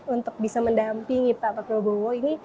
untuk bisa mendampingi pak prabowo ini